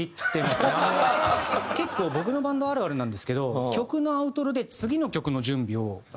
結構僕のバンドあるあるなんですけど曲のアウトロで次の曲の準備を歌いながらするっていう。